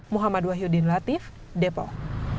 muhammad wahyudin latif depok